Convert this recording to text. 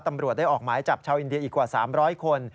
ตำรวจได้ออกหมายจับชาวอินเดียอีกกว่า๓๐๐คน